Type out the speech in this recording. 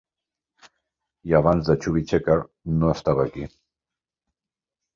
I abans de Chubby Checker, no estava aquí.